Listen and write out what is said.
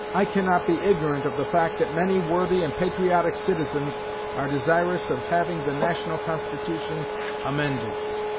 I cannot be ignorant of the fact that many worthy and patriotic citizens are desirous of having the National Constitution amended.